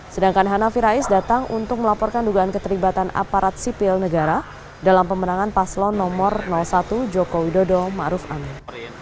sedangkan hanafi rais datang untuk melaporkan dugaan keterlibatan aparat sipil negara dalam pemenangan paslon nomor satu joko widodo ⁇ maruf ⁇ amin